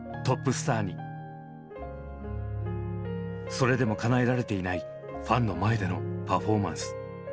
それでもかなえられていないファンの前でのパフォーマンス。